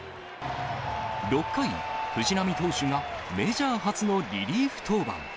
６回、藤浪投手がメジャー初のリリーフ登板。